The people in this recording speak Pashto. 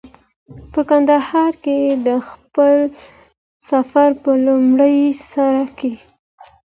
په کندهار کې د خپل سفر په لومړي سر کې.